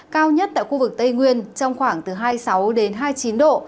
cao nhất tại khu vực tây nguyên trong khoảng từ hai mươi sáu đến hai mươi chín độ